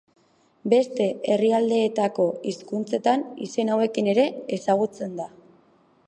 Beste herrialdeetako hizkuntzetan izen hauekin ere ezagutzen da.